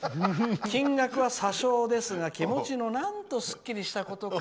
金額は些少ですが気持ちのなんとすっきりしたことか。